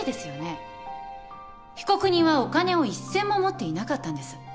被告人はお金を一銭も持っていなかったんです。